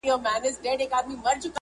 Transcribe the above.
زه کله د خائيست د کمالونو نه منکر ووم